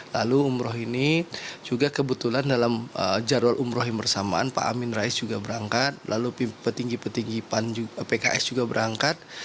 lalu umroh ini juga kebetulan dalam jadwal umroh yang bersamaan pak amin rais juga berangkat lalu petinggi petinggi pks juga berangkat